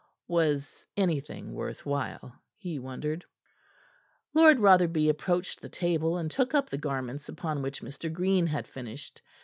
Was anything worth while, he wondered. Lord Rotherby approached the table, and took up the garments upon which Mr. Green had finished.